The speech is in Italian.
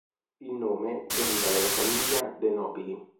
Il nome deriva dalla famiglia De' Nobili.